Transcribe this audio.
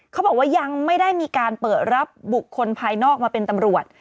เขาบอกว่ายังไม่ได้มีการเปิดรับบุคคลภายนอกมาเป็นตำรวจ